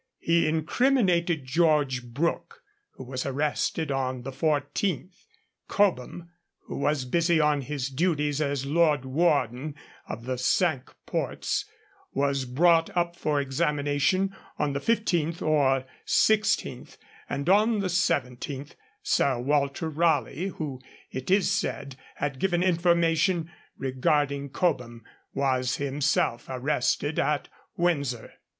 He incriminated George Brooke, who was arrested on the 14th. Cobham, who was busy on his duties as Lord Warden of the Cinque Ports, was brought up for examination on the 15th or 16th; and on the 17th, Sir Walter Raleigh, who, it is said, had given information regarding Cobham, was himself arrested at Windsor.